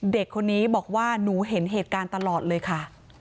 เด็กคนนี้บอกว่าหนูเห็นเหตุการณ์ตลอดเลยค่ะ